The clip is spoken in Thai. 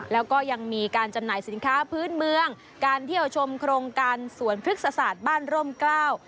แล้วก็ยังมีการจำหน่ายสินค้าพื้นเมืองการเที่ยวชมโครงการสวนพฤกษศาสตร์บ้านร่มกล้า